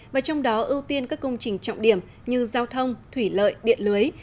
và trong đó ưu tiên các công trình trọng điểm như giao thông thủy lợi điện lưới